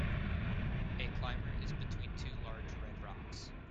a climber is between two large red rocks.